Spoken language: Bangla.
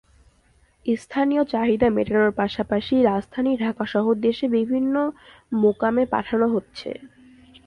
স্থানীয় চাহিদা মেটানোর পাশাপাশি রাজধানী ঢাকাসহ দেশের বিভিন্ন মোকামে পাঠানো হচ্ছে।